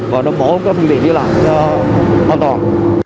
và đảm bảo các phương tiện đi lại cho an toàn